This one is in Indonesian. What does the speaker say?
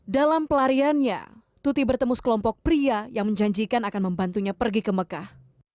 dalam pelariannya tuti bertemu sekelompok pria yang menjanjikan akan membantunya pergi ke mekah